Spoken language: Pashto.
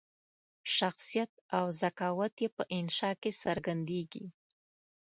شخصیت او ذکاوت یې په انشأ کې څرګندیږي.